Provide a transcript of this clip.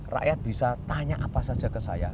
rakyat bisa tanya apa saja ke saya